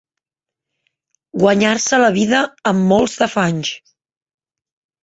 Guanyar-se la vida amb molts d'afanys.